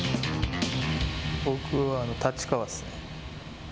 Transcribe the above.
僕は立川っすね。